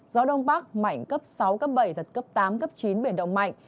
gió đông bắc mạnh cấp sáu cấp bảy giật cấp tám cấp chín biển động mạnh